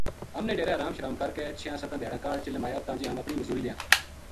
ہم نے ڈیرے ارام شرام کر کے چھیاں ستاں دھیاڑاں کاہڈ چلم آیا تاں جے ہم اپنی مزوری لیاں